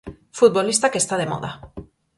Futbolista que está de moda.